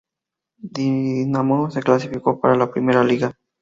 Dinamo se clasificó para la "Primera Liga".